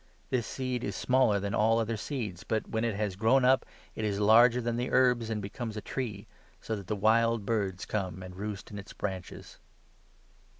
This seed is smaller than all other seeds, but, when it has 32 grown up, it is larger than the herbs and becomes a tree, so that ' the wild birds come and roost in its branches.'"